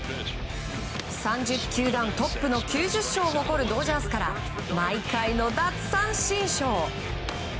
３０球団トップの９０勝を誇るドジャースから毎回の奪三振ショー。